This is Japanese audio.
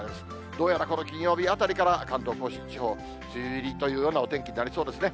どうやらこの金曜日あたりから、関東甲信地方、梅雨入りというようなお天気になりそうですね。